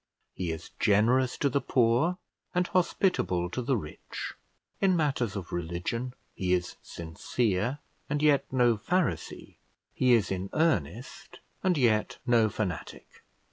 He is generous to the poor, and hospitable to the rich; in matters of religion he is sincere, and yet no Pharisee; he is in earnest, and yet no fanatic.